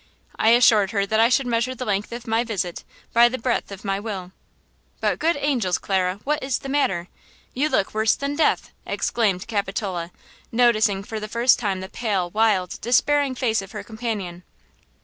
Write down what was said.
I assured her that I should measure the length of my visit by the breadth of my will–But good angels, Clara! what is the matter? You look worse than death!" exclaimed Capitola, noticing for the first time the pale, wild, despairing face of her companion.